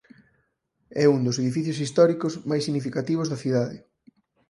É un dos edificios históricos máis significativos da cidade.